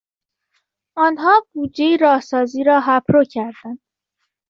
آنها بودجهی راهسازی را هپرو کردند.